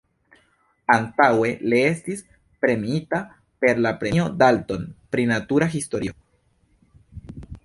Antaŭe le estis premiita per la Premio Dalton pri natura historio.